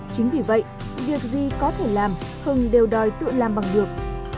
chính vì vậy việc gì có thể làm hưng đều đòi tự làm bằng được